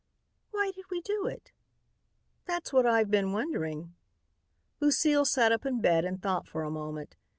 "Why did we do it?" "That's what I've been wondering." Lucile sat up in bed and thought for a moment.